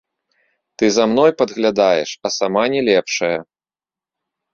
Ты за мной падглядаеш, а сама не лепшая.